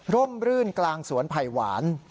ร่มรื่นกลางสวนไผ่หวาน